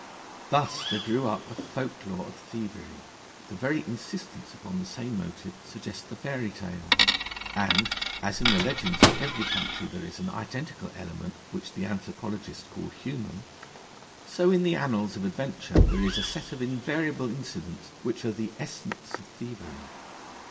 Thus there grew up a folk lore of thievery: the very insistence upon the same motive suggests the fairytale, and, as in the legends of every country, there is an identical element which the anthropologists call 'human'; so in the annals of adventure there is a set of invariable incidents, which are the essence of thievery.